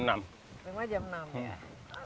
rumah jam enam ya